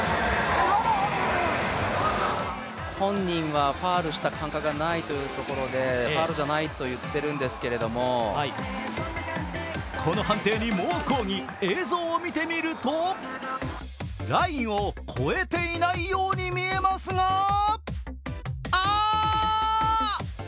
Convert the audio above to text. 本人はファウルした感覚はないということでファウルじゃないと言っているんですけれどもこの判定に猛抗議、映像を見てみると、ラインを越えていないように見えますがあーっ！